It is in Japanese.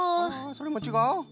それもちがう？